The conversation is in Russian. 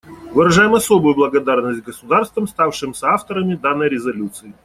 Выражаем особую благодарность государствам, ставшим соавторами данной резолюции.